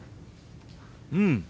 うん。